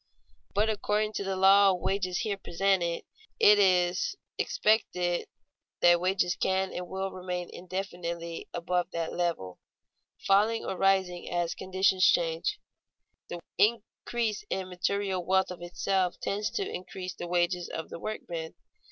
But according to the law of wages here presented, it is to be expected that wages can and will remain indefinitely above that level, falling or rising as conditions change. The increase in material wealth of itself tends to increase the wages of the workman.